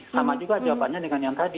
sama juga jawabannya dengan yang tadi